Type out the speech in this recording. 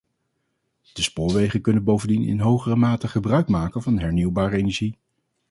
De spoorwegen kunnen bovendien in hogere mate gebruik maken van hernieuwbare energie.